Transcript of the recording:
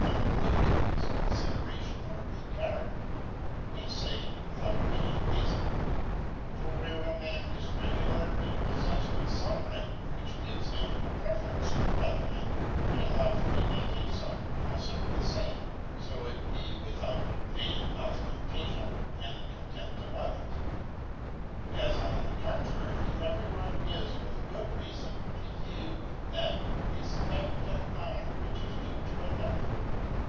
unworthy of his Confideration or Regard. We fay, zvitbout any Reafon. For where a Man is regularly pofieft of fome Rights which gives him a Preference to other Men ŌĆó, he may lawfiilly make ife of., and affert the fame, fo it be without vain Oftentation and the Contempt of others ŌĆó, as on the contrary every one is with good reafon to yield that Refpe^t and Honour which is due to another.